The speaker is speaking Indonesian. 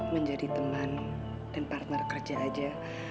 menjadi teman dan partner kerja aja